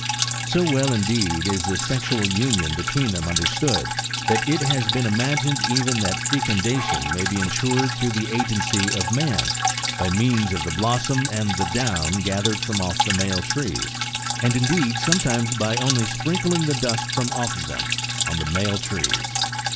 So well, indeed, is this sexual union between them understood, that it has been imagined even that fecundation may be en sured through the agency of man, by means of the blossoms and the down23 gathered from off the male trees, and, indeed, sometimes by only sprinkling the dust from off them on the female trees.